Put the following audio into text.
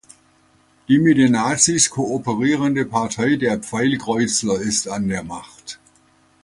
Die mit den Nazis kooperierende Partei der Pfeilkreuzler ist an der Macht.